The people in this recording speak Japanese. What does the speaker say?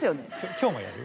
今日もやる？